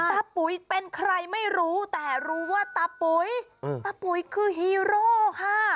ปุ๋ยเป็นใครไม่รู้แต่รู้ว่าตาปุ๋ยตาปุ๋ยคือฮีโร่ค่ะ